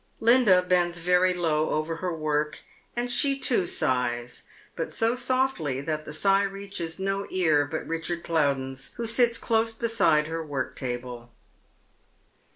Linda bends very low over her work, and she too sighs, but bo eoi'tly that the sigh reaches no ear but Hichard Plowdcu's, wlio Bits close beside her work table.